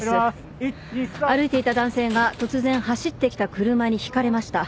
歩いていた男性が突然走ってきた車にひかれました。